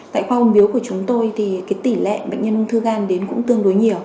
tại khoa ung biếu của chúng tôi thì tỷ lệ bệnh nhân ung thư gan đến cũng tương đối nhiều